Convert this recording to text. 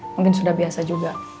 mungkin sudah biasa juga